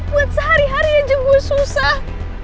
buat sehari hari aja gue susah